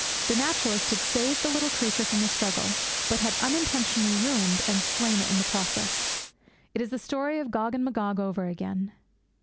The naturalist had saved the little creature from the struggle, but had unintentionally ruined and slain it in the process. It is the story of Gog and Magog over again.